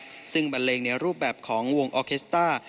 ชาวจัวร์ยาลาเป็นวงบันเลงในรูปแบบของวงออเคสต้า